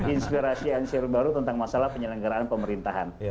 inspirasi dan siru baru tentang masalah penyelenggaraan pemerintahan